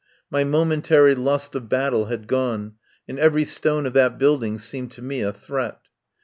My momentary lust of battle had gone, and every stone of that building seemed to me a threat.